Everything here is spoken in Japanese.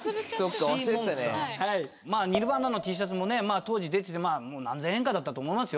ニルヴァーナのＴシャツも当時出てて何千円かだったと思いますよ。